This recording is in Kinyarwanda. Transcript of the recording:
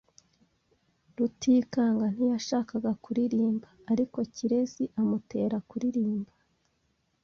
Rutikanga ntiyashakaga kuririmba, ariko Kirezi amutera kuririmba.